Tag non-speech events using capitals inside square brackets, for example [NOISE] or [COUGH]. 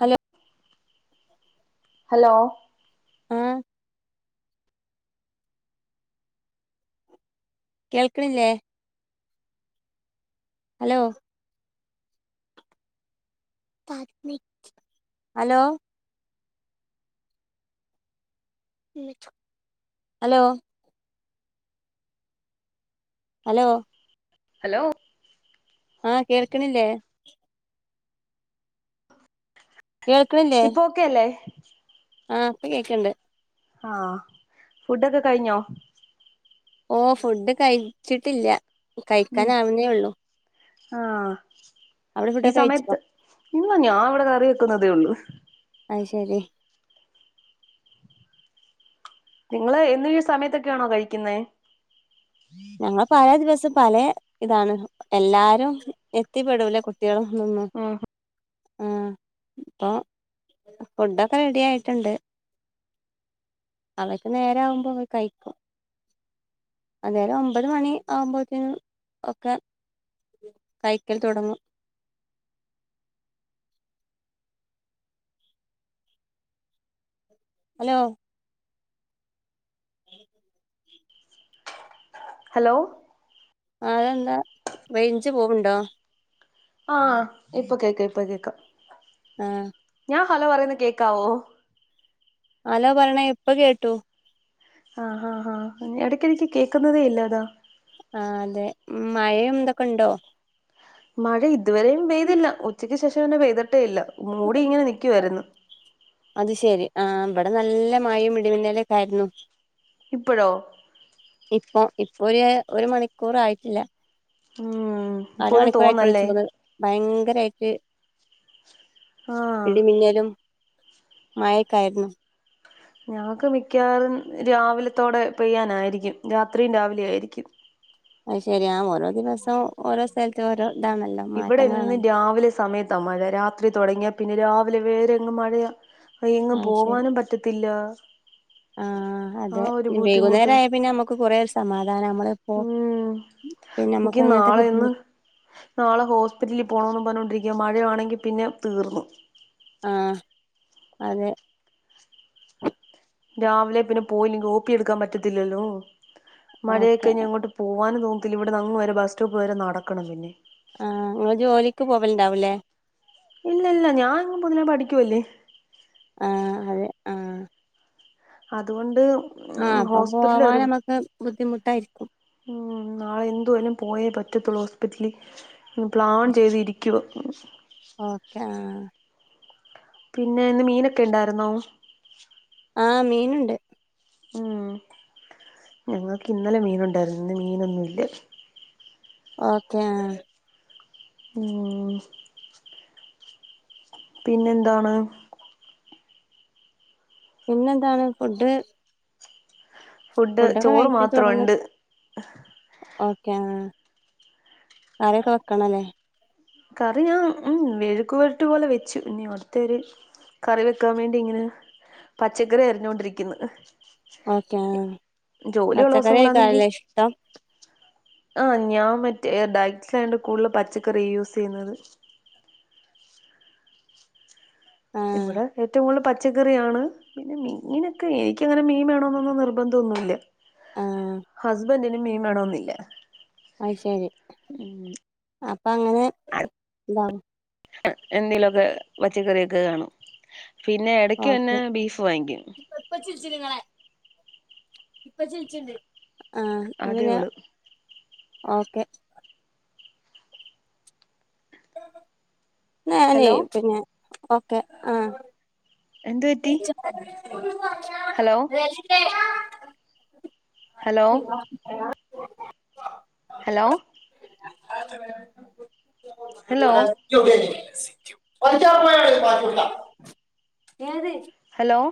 Hello hello ആഹ് കേൾക്ണില്ലേ hello hello hello hello hello ആഹ് കേൾക്ണില്ലേ കേൾക്ണില്ലേ ക്കെല്ലേ ആഹ് ഇപ്പൊ കേക്ണ്ട് ആഹ് ഫുഡൊക്കെ കഴിഞ്ഞോ ഓഹ് ഫുഡ് കഴിച്ചിട്ടില്ല കഴിക്കാന് ആവുന്നേ ഉള്ളൂ ആഹ് അവിടെ ഈ ഫുഡൊക്കെ കഴിച്ചോ സമയത്ത് ഇല്ല ഞാൻ ഇവിടെ കറി വെക്കുന്നതേ ഉള്ളൂ അയ്ശരി നിങ്ങള് എന്നും ഈ സമയത്തൊക്കെയാണോ കഴിക്കുന്നെ ഞങ്ങള് പലേ ദിവസം പലേ ഇതാണ് എല്ലാരും ഇതിപ്പെടൂല കുട്ട്യേളും തൊന്നും ആഹ് ആഹ് ഇപ്പം ഫുഡൊക്കെ റെഡി ആയിട്ടുണ്ട് അവയ്ക്ക് നേരം ആവുമ്പോ അവ കഴിക്കും അന്നേരം ഒമ്പത് മണി ആവുമ്പോതിന് ഒക്കെ കൈക്കൽ തുടങ്ങും ഹലോ ഉം ഹലോ ആഹ് അതെന്താ റേഞ്ച് പോവ്ണ്ടോ ആഹ് ഇപ്പൊ കേക്കാം ഇപ്പൊ കേക്കാം ആഹ് ഞാൻ ഹലോ പറയുന്നത് കേക്കാവോ ആലോ പറയ്ണ ഇപ്പ കേട്ടു ആഹ് ആഹ് ആഹ് ഇടക്കിടക്ക് കേക്കുന്നതേ ഇല്ല അതാ ആഹ് അതെ മഴ ന്തൊക്കെണ്ടോ മഴ ഇതുവരെയും പെയ്തില്ല ഉച്ചയ്ക്ക് ശേഷം പിന്നെ പെയ്തിട്ടേ ഇല്ല മൂടി ഇങ്ങനെ നിക്കുവായിരുന്നു അത് ശെരി ആഹ് ഇവിടെ നല്ല മഴയും ഇടിമന്നേലൊക്കെ ആയിരുന്നു ഇപ്പഴോ ഇപ്പൊ ഇപ്പൊ ഒരു ഒരു മണിക്കൂറ് ആയിട്ടില്ല ഉം ഇപ്പൊ ഒന്ന് അരമണിക്കൂറായിട്ട് തോന്നല്ലേ വിളിച്ചോന്ന് ഭയങ്കരായിട്ട് ആഹ് ഇടിമിന്നലും മയക്കായിരുന്നു ഞങ്ങക്ക് മിക്കവാറും രാവിലത്തോടെ പെയ്യാനായിരിക്കും രാത്രിയും രാവിലെയും ആയിരിക്കും അത് ശരി ആ ഓരോ ദിവസവും ഓരോ സ്ഥലത്തും ഓരോ ഇതാണല്ലോ ഇവിടെ എന്നും മാറ്റങ്ങളാണല്ലോ രാവിലെ സമയത്താ മഴ രാത്രി തുടങ്ങിയാ പിന്നെ രാവിലെ വേറെങ്ങ് മഴയാ ആഹ് എങ്ങും അത് ശരി പോവാനും പറ്റത്തില്ലാ ആഹ് അതെ ബുദ്ധിമുട്ട് വൈകുന്നേരം ആയ പിന്നെ നമ്മുക്ക് കൊറേ ഒരു സമാധാനാ നമ്മള് ഇപ്പോ ഉം പിന്നെ നമുക്ക് എനിക്ക് അങ്ങനത്തെ നാളെ ഒന്ന് ബുദ്ധിമു നാളെ ഹോസ്പിറ്റലിൽ പോണംന്ന് പറഞ്ഞോണ്ടിരിക്കാ മഴയാണെങ്കി പിന്നെ തീർന്നു ആഹ് അതെ രാവിലെ പിന്നെ പോയില്ലെങ്കി ഓപ്പി എടുക്കാൻ പറ്റത്തില്ലല്ലോ ഓക്കെ മഴയൊക്കെ അങ്ങോട്ട് പോവാനും തോന്നത്തില്ല ഇവിടെ നങ്ങ് വരെ ബസ് സ്റ്റോപ്പ് വരെ നടക്കണം പിന്നെ ആഹ് നിങ്ങള് ജോലിക്ക് പോവലുണ്ടാവുല്ലേ ഇല്ല ഇല്ല ഞാനിങ് പൊതിനേ പഠിക്കുവല്ലേ ആഹ് അതെ ആഹ് അതുകൊണ്ട് ആഹ് അപ്പൊ ഹോസ്പിറ്റല് വരെ പോവാന് നമ്മക്ക് ബുദ്ധിമുട്ടായിരിക്കും ഉം നാളെ എന്ത് വന്നാലും പോയേ പറ്റത്തുള്ളൂ ഹോസ്പിറ്റലി പ്ലാൺ ചെയ്തിരിക്കുവാ ഓക്കെ ആഹ് പിന്നെ ഇന്ന് മീനൊക്കെണ്ടായിരുന്നോ ആഹ് മീന്ണ്ട് ഉം ഞങ്ങക്ക് ഇന്നലെ മീനുണ്ടായിരുന്നു ഇന്ന് മീനൊന്നുമില്ല ഓക്കേ ആഹ് ഉം പിന്നെന്താണ് പിന്നെന്താണ് ഫുഡ് ഫുഡ് ഫുടൊക്കെ ചോറ് കഴിച് തൊടങ്ങും മാത്രമുണ്ട് ഓക്കെ ആഹ് ആരൊക്കെ വെക്കണല്ലേ കറി ഞാൻ ഉം മെഴുക് വരട്ട് പോലെ വെച്ചു ഇനി അട്ത്തര് കറി വെക്കാൻ വേണ്ടി ഇങ്ങനെ പച്ചക്കറി അരിഞ്ഞൊണ്ടിരിക്കുന്നു ഓക്കെ ആഹ് ജോലിയുള്ള പച്ചക്കറി ദിവസങ്ങളാണെങ്കി അയ്ക്കാരംല്ലേ ഇഷ്ടം ആഹ് ഞാൻ മറ്റേ ഡയറ്റായണ്ട് കൂടുതൽ പച്ചക്കറി യൂസ് ചെയ്യുന്നത് ആ ഇവിടെ ഏറ്റവും കൂടുതല് പച്ചക്കറിയാണ് പിന്നെ മീനൊക്കെ എനിക്കങ്ങനെ മീൻ വേണോന്നൊന്നും നിർബന്ദോന്നുല്ല്യ ആ ഹസ്ബന്റ്ന് മീൻ വേണോന്നില്ല അയ്ശരി ഉം അപ്പൊ അങ്ങനെ ഇതാവും എന്തേങ്കിലൊക്കെ പച്ചക്കറിയൊക്കെ കാണും പിന്നെ എടക്ക് പിന്നെ ബീഫ് വാങ്ങിക്കും ഇപ്പ ചിിച്ചു നിങ്ങളെ ഇപ്പ ചിിച്ചിട്ടണ്ട് അതേ ഉളു ഓക്കെ ഹലോ ഞാനേയ് പിന്നെ ഓക്കെ ആഹ് എന്തു പറ്റി. [UNINTELLIGIBLE] പർഞ്ഞാ. ഹലോ. ദശിത്തെ ആ. Hello [UNINTELLIGIBLE] hello. ആത്തവര. ഹലോ റ്റുയേ സിറ്റ്യു പൊതിച്ചോറ് പറ്റൂല. ഏത്. ഹലോ.